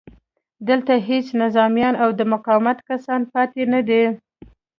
دلته هېڅ نظامیان او د مقاومت کسان پاتې نه دي